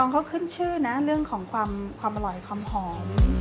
เขาขึ้นชื่อนะเรื่องของความอร่อยความหอม